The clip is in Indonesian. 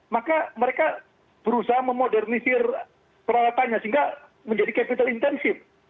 maka mereka berusaha memodernisir peralatannya sehingga menjadi capital intensif